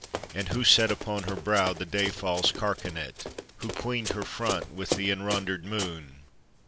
and who set Upon her brow the day fall's carcanet? Who queened her front with the enrondured moon?